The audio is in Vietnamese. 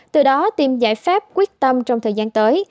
từ đó tìm giải pháp quyết tâm trong thời gian tới